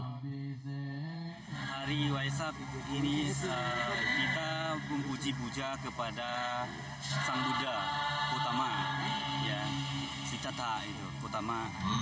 hari waisak ini kita memuji puja kepada sang buddha utama sikata utama